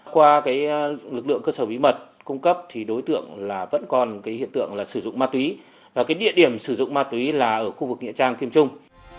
qua cái lực lượng cơ sở bí mật cung cấp thì đối tượng là vẫn còn cái hiện tượng là sử dụng ma túy và cái địa điểm sử dụng ma túy là ở khu vực nghĩa trang kim trung